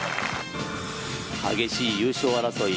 激しい優勝争い。